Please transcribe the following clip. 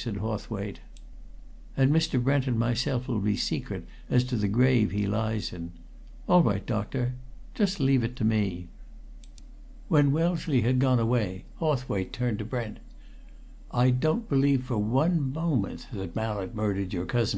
said Hawthwaite. "And Mr. Brent and myself'll be secret as the grave he lies in! All right, doctor just leave it to me." When Wellesley had gone away, Hawthwaite turned to Brent. "I don't believe for one moment that Mallett murdered your cousin!"